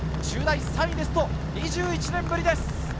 中大３位ですと２１年ぶりです。